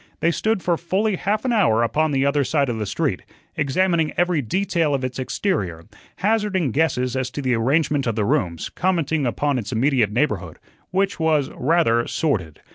They stood for fully half an hour upon the other side of the street, examining every detail of its exterior, hazarding guesses as to the arrangement of the rooms, commenting upon its immediate neighborhood which was rather sordid.